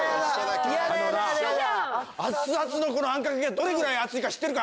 熱々のこのあんかけがどれぐらい熱いか知ってるか？